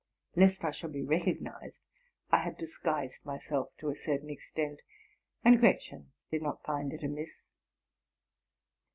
Lest I should be recognized, I had dis guised myself to a certain extent; and Gretchen did not find it amiss.